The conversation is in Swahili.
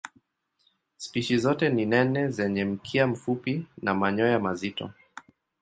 Spishi zote ni nene zenye mkia mfupi na manyoya mazito.